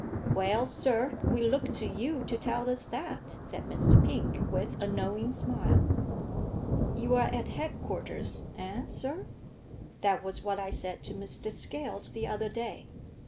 "Well, sir, we look to you to tell us that," said Mr. Pink, with a knowing smile. "You're at headquarters eh, sir? That was what I said to Mr. Scales the other day.